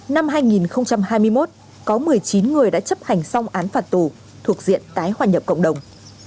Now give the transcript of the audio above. năm hai nghìn hai mươi một có một mươi chín người đã chấp hành xong án phạt tù thuộc diện tái hòa nhập cộng đồng